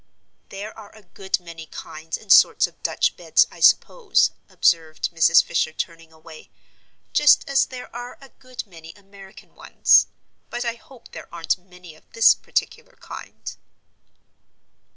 "There are a good many kinds and sorts of Dutch beds, I suppose," observed Mrs. Fisher, turning away, "just as there are a good many American ones; but I hope there aren't many of this particular kind."